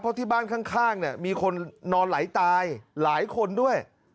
เพราะที่บ้านข้างเนี่ยมีคนนอนไหลตายหลายคนด้วย